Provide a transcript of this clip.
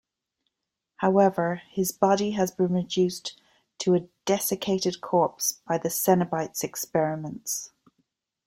However, his body has been reduced to a desiccated corpse by the Cenobites' experiments.